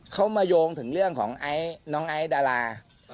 เขามาโยงถึงเรื่องของไอน้องไอซ์ดารา